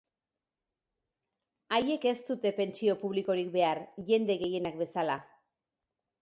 Haiek ez dute pentsio publikorik behar, jende gehienak bezala.